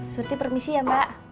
surti permisi ya mbak